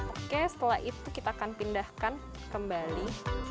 oke setelah itu kita akan pindahkan kembali